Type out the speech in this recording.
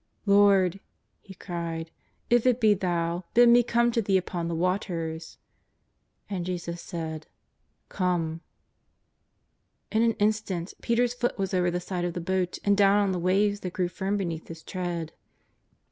" Lord," he cried, '' if it l)e Thou, bid me come to Thee upon the waters." And Jesus said :'' Come !" In an instant Peter's foot was over the side of the boat and down on the waves that grew firm beneath hi? tread.